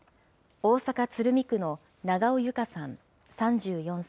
大阪・鶴見区の永尾友香さん３４歳。